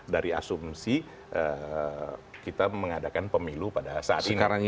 dari asumsi kita mengadakan pemilu pada saat ini